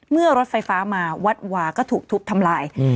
เมื่อรถไฟฟ้ามาวัดวาก็ถูกทุบทำลาย